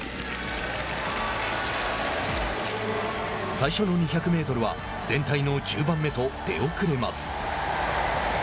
最初の２００メートルは全体の１０番目と出遅れます。